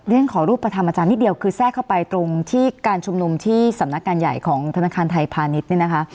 ฉันขอรูปธรรมอาจารย์นิดเดียวคือแทรกเข้าไปตรงที่การชุมนุมที่สำนักงานใหญ่ของธนาคารไทยพาณิชย์เนี่ยนะคะ